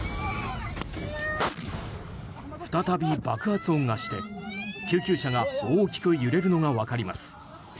再び爆発音がして、救急車が大きく揺れるのが分かります。